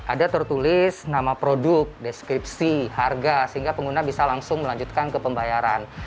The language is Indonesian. ada tertulis nama produk deskripsi harga sehingga pengguna bisa langsung melanjutkan ke pembayaran